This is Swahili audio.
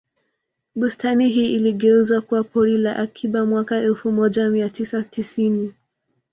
Bustani hii iligeuzwa kuwa pori la akiba mwaka elfu moja mia tisa tisini